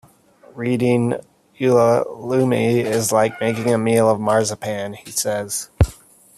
"Reading 'Ulalume' is like making a meal of marzipan", he says.